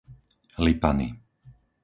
Lipany